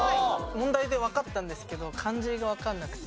問題でわかったんですけど漢字がわかんなくて。